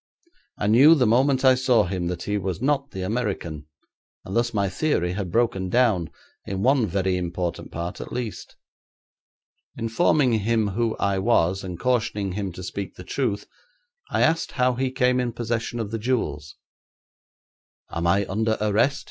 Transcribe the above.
I knew the moment I saw him that he was not the American, and thus my theory had broken down, in one very important part at least. Informing him who I was, and cautioning him to speak the truth, I asked how he came in possession of the jewels. 'Am I under arrest?'